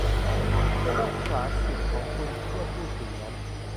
เพื่อรักษาสิทธิ์ของคุณเพื่อพูดสิ่งนั้น